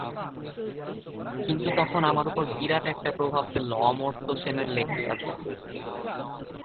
কিন্তু তখন আমার ওপর বিরাট একটা প্রভাব ফেলল অমর্ত্য সেনের লেকচার।